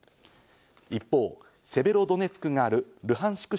一方、セベロドネツクがあるルハンシク